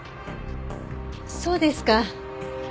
そうですか。